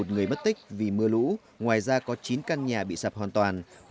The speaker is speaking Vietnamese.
một người mất tích vì mưa lũ ngoài ra có chín căn nhà bị sập hoàn toàn